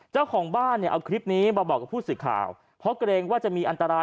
เจ้าของบ้านเนี่ยเอาคลิปนี้มาบอกกับผู้สื่อข่าวเพราะเกรงว่าจะมีอันตราย